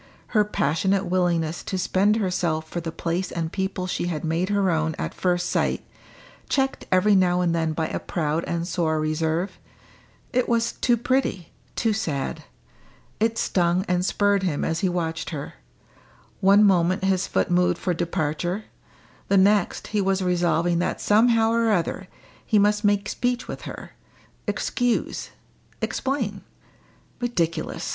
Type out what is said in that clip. Her passionate willingness to spend herself for the place and people she had made her own at first sight, checked every now and then by a proud and sore reserve it was too pretty, too sad. It stung and spurred him as he watched her; one moment his foot moved for departure, the next he was resolving that somehow or other he must make speech with her excuse explain. Ridiculous!